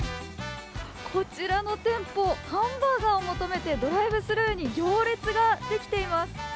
こちらの店舗、ハンバーガーを求めてドライブスルーに行列ができています。